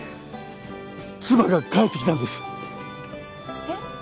妻が帰ってきたんですえっ？